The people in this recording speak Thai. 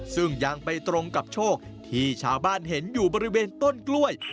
ซึ่งยังไปตรงกับโชคที่ชาวบ้านเห็นอยู่บริเวณต้นกล้วย